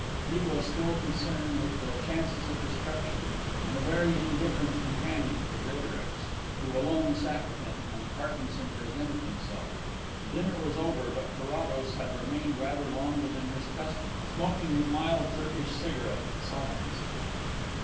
He was still concerned with the chances of destruction and a very indifferent companion for Greatorex, who alone sat with him, when Parkinson presented himself. Dinner was over but Carrados had remained rather longer than his custom, smoking his mild Turkish cigarette in silence.